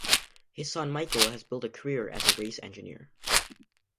His son Michael has built a career as a race engineer.